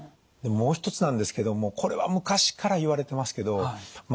もう一つなんですけどもこれは昔からいわれてますけど